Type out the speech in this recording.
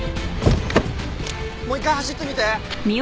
もう一回走ってみて！